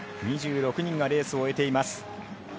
２６人がレースを終えています。